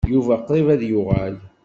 Yuba qrib ad d-yuɣal.